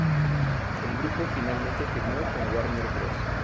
El grupo finalmente firmó con Warner Bros.